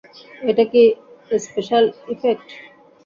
এটা কি special effect?